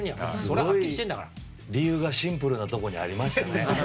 理由がシンプルなところにありましたね。